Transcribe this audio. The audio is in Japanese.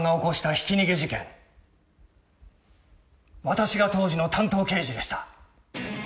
私が当時の担当刑事でした。